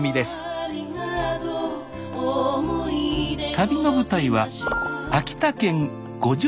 旅の舞台は秋田県五城目町。